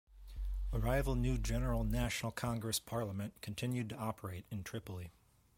A rival New General National Congress parliament continued to operate in Tripoli.